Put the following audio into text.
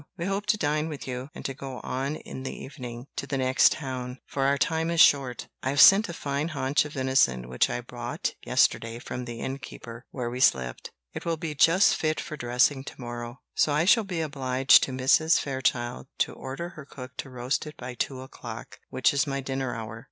We hope to dine with you, and to go on in the evening to the next town, for our time is short. I have sent a fine haunch of venison which I bought yesterday from the innkeeper where we slept; it will be just fit for dressing to morrow; so I shall be obliged to Mrs. Fairchild to order her cook to roast it by two o'clock, which is my dinner hour.